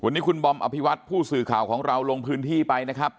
วันนี้คุณบอมอภิวัตผู้สื่อข่าวของเราลงพื้นที่ไปนะครับ